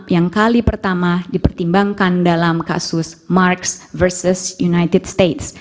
yang kali pertama dipertimbangkan dalam kasus marks versus united states